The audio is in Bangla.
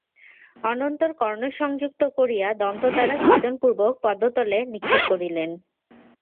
অনন্তর কর্ণসংযুক্ত করিয়া দন্ত দ্বারা ছেদনপূর্বক পদতলে নিক্ষেপ করিলেন।